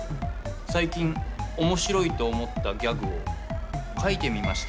最近、面白いと思ったギャグを書いてみました。